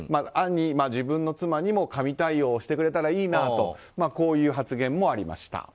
案に自分の妻にも神対応をしてくれたらいいなとこういう発言もありました。